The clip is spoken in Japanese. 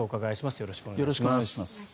よろしくお願いします。